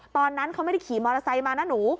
ตอนนั้นเขาไม่ได้ขี่มอเตอร์ไซค์มานะหนู